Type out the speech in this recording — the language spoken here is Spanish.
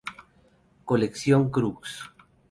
Colección Crux.